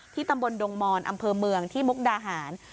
ตำบลดงมอนอำเภอเมืองที่มุกดาหาร